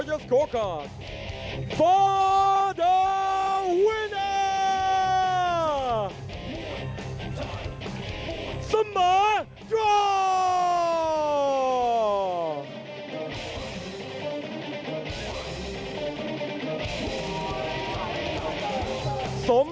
จิบลำตัวไล่แขนเสียบใน